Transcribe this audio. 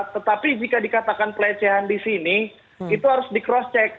tetapi jika dikatakan pelecehan di sini itu harus di cross check